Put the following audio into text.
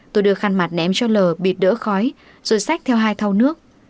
tôi đưa khăn mặt ném cho l bịt đỡ khói rồi xách theo hai thau nước